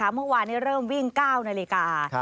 เมื่อวานนี้เริ่มวิ่ง๙นาฬิกา